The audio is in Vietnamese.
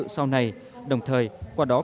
sau này đồng thời qua đó